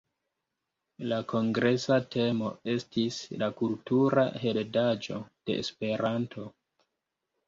La kongresa temo estis: la kultura heredaĵo de Esperanto.